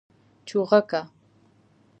🐦 چوغکه